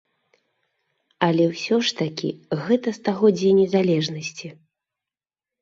Але, усё ж такі, гэта стагоддзе незалежнасці.